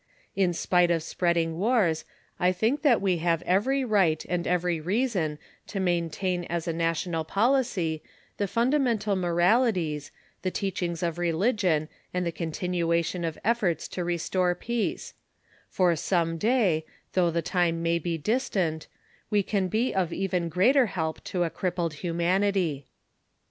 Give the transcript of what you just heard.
In spite of spreading wars I think that we have every right and every reason to maintain as a national policy the fundamental moralities, the teachings of religion and the continuation of efforts to restore peace for some day, though the time may be distant, we can be of even greater help to a crippled humanity.